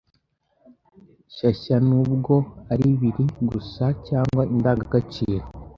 shyashyanubwo aribiri gusa cyangwa indangagaciro